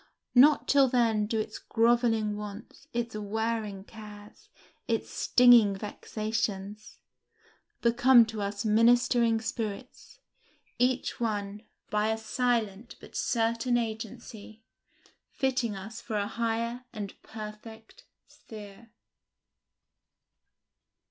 Not till then do its grovelling wants, its wearing cares, its stinging vexations, become to us ministering spirits, each one, by a silent but certain agency, fitting us for a higher and perfect sphere.